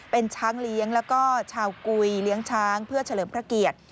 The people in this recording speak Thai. เป็นช้างเลี้ยงแล้วก็ชาวกุยเลี้ยงช้างเพื่อเฉลิมพระเกียรติ